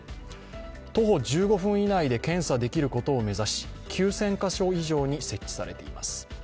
徒歩１５分以内で検査できることを目指し、９０００カ所以上に設置されています。